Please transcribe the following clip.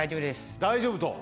大丈夫と。